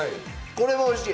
これはおいしい。